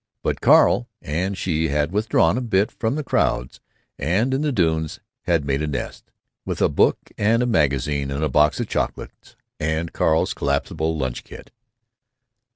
But Carl and she had withdrawn a bit from the crowds, and in the dunes had made a nest, with a book and a magazine and a box of chocolates and Carl's collapsible lunch kit.